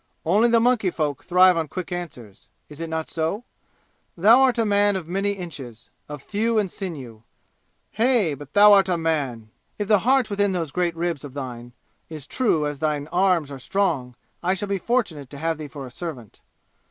Only the monkey folk thrive on quick answers is it not so? Thou art a man of many inches of thew and sinew Hey, but thou art a man! If the heart within those great ribs of thine is true as thine arms are strong I shall be fortunate to have thee for a servant!"